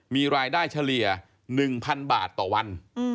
มีรายได้เฉลี่ย๑๐๐๐บาทต่อวัน